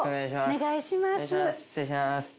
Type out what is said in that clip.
お願いします。